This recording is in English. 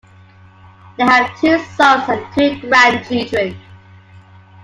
They have two sons and two grandchildren.